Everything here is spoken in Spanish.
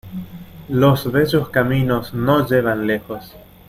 Los bellos caminos no llevan lejos.